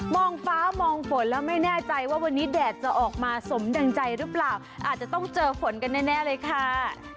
งฟ้ามองฝนแล้วไม่แน่ใจว่าวันนี้แดดจะออกมาสมดังใจหรือเปล่าอาจจะต้องเจอฝนกันแน่เลยค่ะ